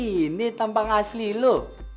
ini tampak asli lo